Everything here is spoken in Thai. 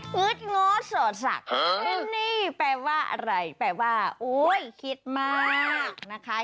ึดง้อสอดศักดิ์นี่แปลว่าอะไรแปลว่าโอ๊ยคิดมากนะคะ